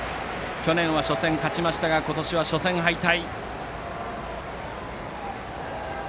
去年は初戦勝ちましたが今年は初戦敗退。